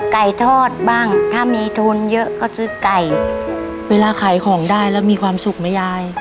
ไก่ทอดบ้างถ้ามีทุนเยอะก็ซื้อไก่เวลาขายของได้แล้วมีความสุขไหมยาย